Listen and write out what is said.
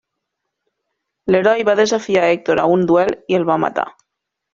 L'heroi va desafiar Hèctor a un duel i el va matar.